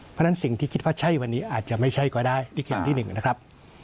เพราะฉะนั้นสิ่งที่คิดว่าใช่วันนี้อาจจะไม่ใช่ก็ได้ที่เข็มที่๑นะครับ